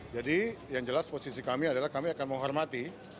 jadi yang jelas posisi kami adalah kami akan menghormati